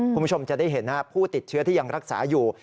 คุณผู้ชมจะได้เห็นผู้ติดเชื้อที่ยังรักษาอยู่